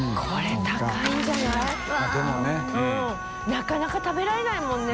なかなか食べられないもん。